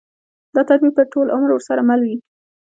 دا تدبير به ټول عمر ورسره مل وي.